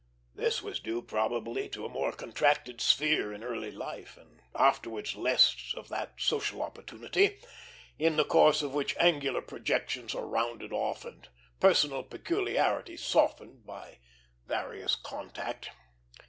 This was due, probably, to a more contracted sphere in early life, and afterwards less of that social opportunity, in the course of which angular projections are rounded off and personal peculiarities softened by various contact.